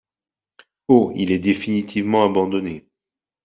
Au il est définitivement abandonnée.